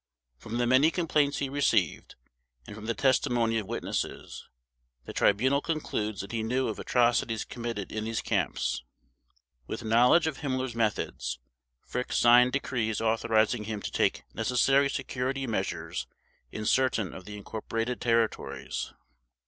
From the many complaints he received, and from the testimony of witnesses, the Tribunal concludes that he knew of atrocities committed in these Camps. With knowledge of Himmler's methods, Frick signed decrees authorizing him to take necessary security measures in certain of the incorporated territories.